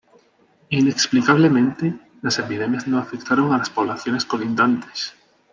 Inexplicablemente, las epidemias no afectaron a las poblaciones colindantes.